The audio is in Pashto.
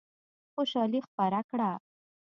خوشالي خپره کړه.